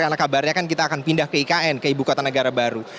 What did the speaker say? karena kabarnya kan kita akan pindah ke ikn ke ibu kota negara baru